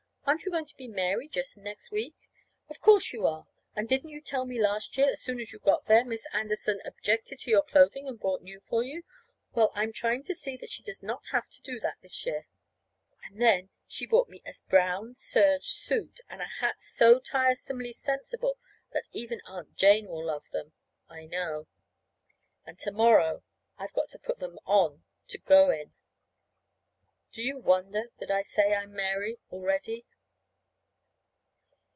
Aren't you going to be Mary just next week? Of course, you are! And didn't you tell me last year, as soon as you got there, Miss Anderson objected to your clothing and bought new for you? Well, I am trying to see that she does not have to do that this year." And then she bought me a brown serge suit and a hat so tiresomely sensible that even Aunt Jane will love them, I know. And to morrow I've got to put them on to go in. Do you wonder that I say I am Mary already?